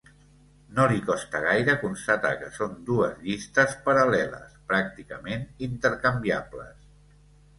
No li costa gaire constatar que són dues llistes paral·leles, pràcticament intercanviables.